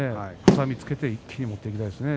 挟みつけて一気に持っていきたいですね。